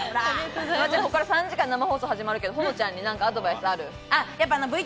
フワちゃん、ここから３時間、生放送始まるけど保乃ちゃんにアドバイスある？